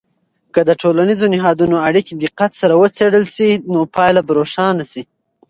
که د ټولنیزو نهادونو اړیکې دقت سره وڅیړل سي، نو پایله به روښانه سي.